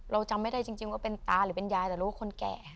เราจำไม่ได้จริงว่าเป็นตาหรือเป็นยายแต่รู้คนแก่